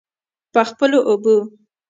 په خپلو اوبو.